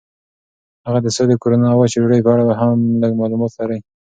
هغه د سولې، کرونا او وچې ډوډۍ په اړه هم لږ معلومات لري.